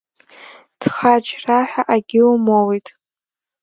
Ҭхаџьраҳәа акгьы умоуит.